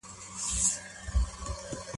د فساد خطر د تعلیم مانع ګرځي.